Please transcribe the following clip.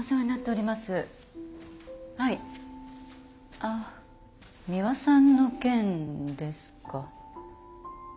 あっミワさんの件ですか。